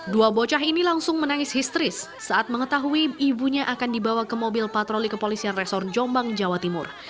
dua bocah ini langsung menangis histeris saat mengetahui ibunya akan dibawa ke mobil patroli kepolisian resor jombang jawa timur